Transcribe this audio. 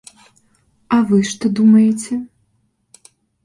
А вы што думаеце?